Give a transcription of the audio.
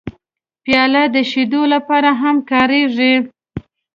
پیاله د شیدو لپاره هم کارېږي.